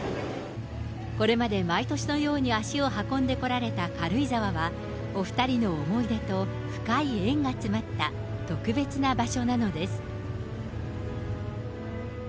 これまで毎年のように足を運んでこられた軽井沢は、お二人の思い出と深い縁が詰まった特別な場所なのです。